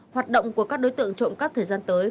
hoạt động của các đối tượng trộm cắp thời gian tới